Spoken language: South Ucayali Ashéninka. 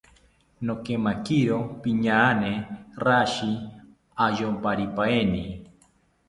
Nokemakiro piñaane rashi ayomparipaeni